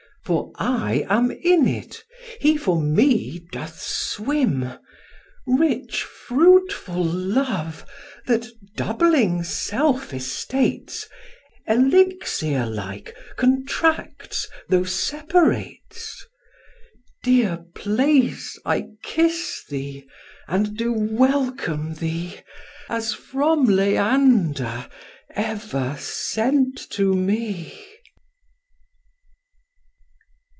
For I am in it, he for me doth swim. Rich, fruitful love, that, doubling self estates, Elixir like contracts, though separates! Dear place, I kiss thee, and do welcome thee, As from Leander ever sent to me."